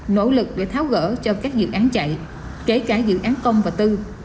nỗ lực để tháo gỡ cho các dự án chạy kể cả dự án công và tư